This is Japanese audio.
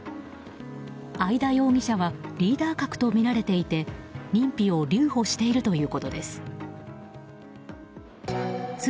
会田容疑者はリーダー格とみられていて認否を留保しているということです。